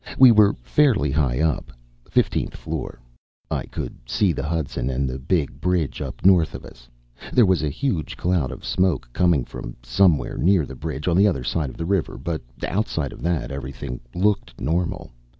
We were fairly high up fifteenth floor. I could see the Hudson and the big bridge up north of us. There was a huge cloud of smoke coming from somewhere near the bridge on the other side of the river, but outside of that everything looked normal.